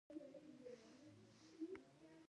د موثریت او پوخوالي له پلوه متفاوته بڼه خپله کړه